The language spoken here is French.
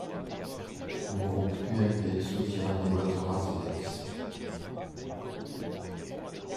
Le groupe UMP soutient et votera ce texte.